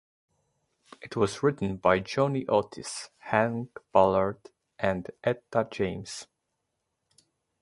It was written by Johnny Otis, Hank Ballard, and Etta James.